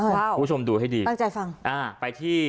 ขอบคุณผู้ชมดูให้ดีไปที่